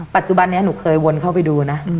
ปัจจุบันนี้หนูเคยวนเข้าไปดูนะ